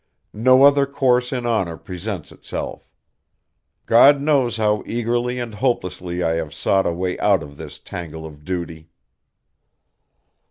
No other course in honor presents itself. God knows how eagerly and hopelessly I have sought a way out of this tangle of duty."